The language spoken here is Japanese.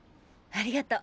ありがと。